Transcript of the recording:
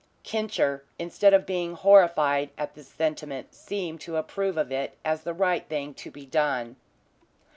"Kincher" instead of being horrified at this sentiment seemed to approve of it as the right thing to be done.